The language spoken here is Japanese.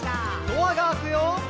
「ドアが開くよ」